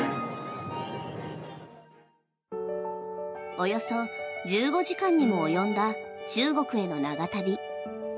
およそ１５時間にも及んだ中国への長旅。